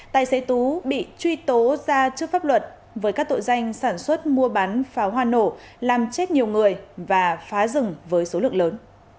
tài xế tú bị truy tố ra trước pháp luật với các tội danh sản xuất mua bán pháo hoa nổ làm chết nhiều người và phá rừng với số lượng lớn